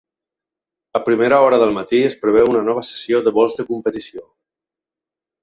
A primera hora del matí es preveu una nova sessió de vols de competició.